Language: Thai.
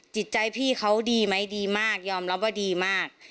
จิตใจพี่เขาดีไหมดีมากยอมรับว่าดีมาก